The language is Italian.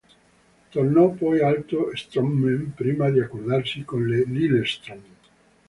Tornò poi allo Strømmen, prima di accordarsi con il Lillestrøm.